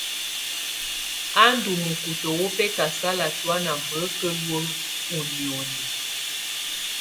A ndù mukutǝ wù bɛkasala tɔ̀ána mba á ka luǝ́ ù nìóni.